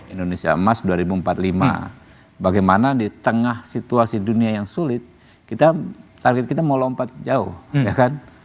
indonesia emas dua ribu empat puluh lima bagaimana di tengah situasi dunia yang sulit kita target kita mau lompat jauh ya kan